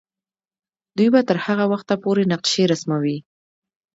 دوی به تر هغه وخته پورې نقشې رسموي.